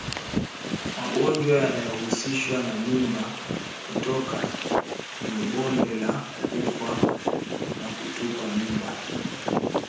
Magonjwa yanayohusishwa na mimba kutoka ni bonde la ufa na kutupa mimba